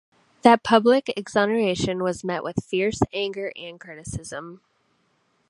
That public exoneration was met with fierce anger and criticism.